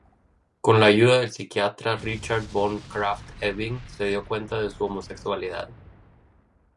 Con la ayuda del psiquiatra Richard von Krafft-Ebing, se dio cuenta de su homosexualidad.